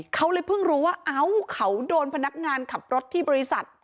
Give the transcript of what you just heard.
เขาเลยเพิ่งรู้ว่าเอ้าเขาโดนพนักงานขับรถที่บริษัท